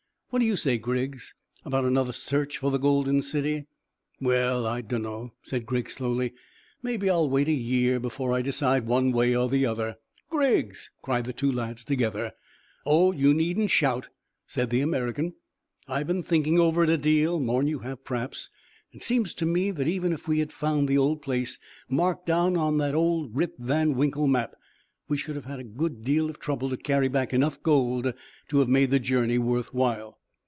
What do you say, Griggs, about another search for the golden city?" "Well, I dunno," said Griggs slowly. "Maybe I'll wait a year before I decide one way or the other." "Griggs!" cried the two lads together. "Oh, you needn't shout," said the American. "I've been thinking over it a deal, more'n you have, p'r'aps, and it seems to me that even if we had found the old place marked down on that old Rip Van Winkle map we should have had a deal of trouble to carry back enough gold to have made the journey worth while."